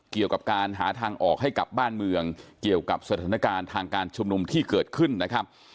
เกี่ยวกับการหาทางออกให้กับบ้านเมืองเกี่ยวกับสถานการณ์ทางการชุมนุมที่เกิดขึ้นนะครับ